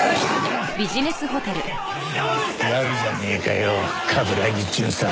ヘッやるじゃねえかよ冠城巡査。